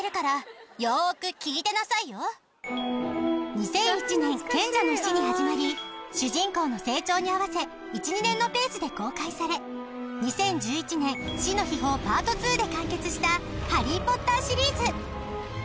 ２００１年『賢者の石』に始まり主人公の成長に合わせ１２年のペースで公開され２０１１年『死の秘宝ＰＡＲＴ２』で完結した『ハリー・ポッター』シリーズ。